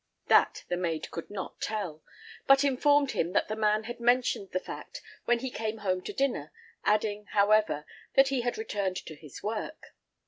That the maid could not tell, but informed him that the man had mentioned the fact when he came home to dinner, adding, however, that he had returned to his work.